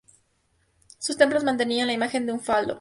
Sus templos mantenían la imagen de un falo.